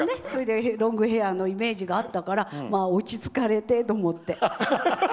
それで、ロングヘアのイメージがあったから落ち着かれてって思って。